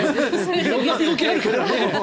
色んな病気があるからね。